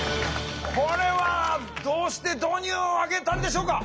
これはどうして導入をあげたんでしょうか？